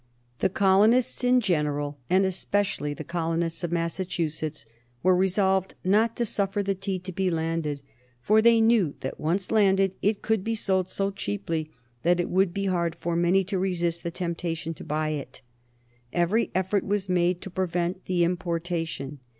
The colonists in general, and especially the colonists of Massachusetts, were resolved not to suffer the tea to be landed, for they knew that once landed it could be sold so cheaply that it would be hard for many to resist the temptation to buy it. Every effort was made to prevent the importation.